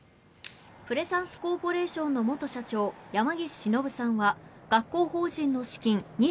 プレサンスコーポレーションの元社長、山岸忍さんは学校法人の資金